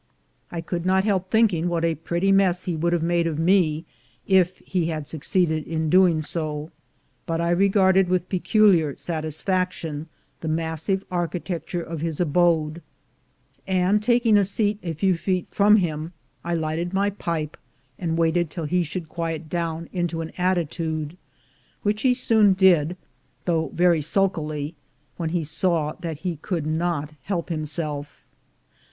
I could not help think ing what a pretty mess he would have made of me if he had succeeded in doing so; but I regarded with peculiar satisfaction the massive architecture of his abode; and, taking a seat a few feet from him, I lighted my pipe, and waited till he should quiet down* into an attitude, which he soon did, though very sulkily, when he saw that he could not help himself.